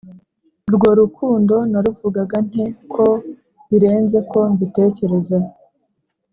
Rwo rukundo naruvuga nte ko birenze ko mbitekereza